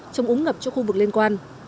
trong úng ngập cho khu vực liên quan